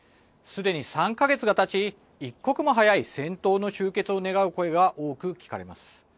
すでに３か月がたち一刻も早い戦闘の終結を願う声が多く聞かれます。